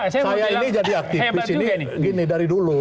saya ini jadi aktivis ini gini dari dulu